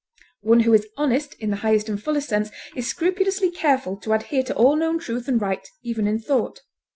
One who is honest in the highest and fullest sense is scrupulously careful to adhere to all known truth and right even in thought.